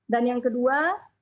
dan yang kedua